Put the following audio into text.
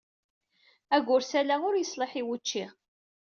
Agersal-a ur yeṣliḥ i wucci.